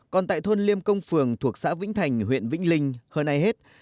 còn tại thôn liêm công phường thuộc xã vĩnh thành huyện vĩnh linh hơn ai hết